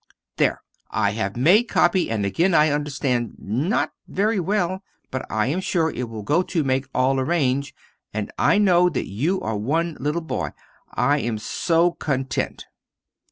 There; I have made copy, and again I understand not very well. But I am sure it go to make all arrange. And I know that you are one little boy; I am so content!